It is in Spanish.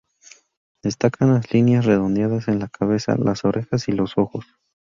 Destacan las líneas redondeadas en la cabeza, las orejas, y los ojos.